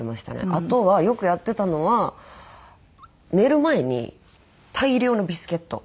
あとはよくやってたのは寝る前に大量のビスケット。